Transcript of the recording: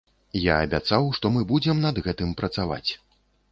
Я абяцаў, што мы будзем над гэтым працаваць.